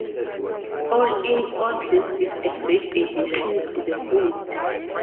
All in all this is a great addition to the fold.